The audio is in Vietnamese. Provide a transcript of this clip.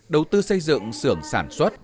đầu tư xây dựng sưởng sản xuất